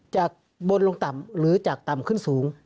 จากบนลงต่ำหรือจากต่ำขึ้นสูง